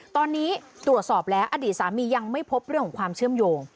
ตอนนี้ตรวจสอบแล้วอดีตสามียังไม่พบเรื่องของความเชื่อมโยง